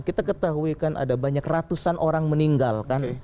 kita ketahui kan ada banyak ratusan orang meninggal kan